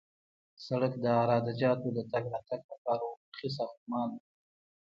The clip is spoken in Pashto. سړک د عراده جاتو د تګ راتګ لپاره افقي ساختمان دی